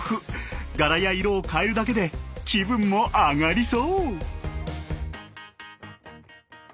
柄や色を変えるだけで気分も上がりそう。